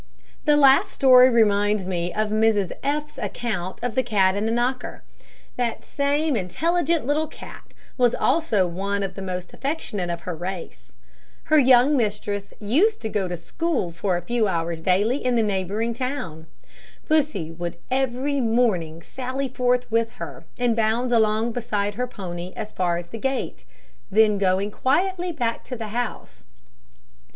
The last story reminds me of Mrs F 's account of the cat and the knocker. That same intelligent little cat was also one of the most affectionate of her race. Her young mistress used to go to school for a few hours daily in the neighbouring town. Pussy would every morning sally forth with her, and bound along beside her pony as far as the gate, then going quietly back to the house.